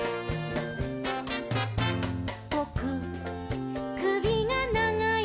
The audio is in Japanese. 「ぼくくびがながいです」